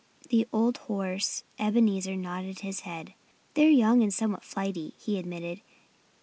The old horse Ebenezer nodded his head. "They're young and somewhat flighty," he admitted.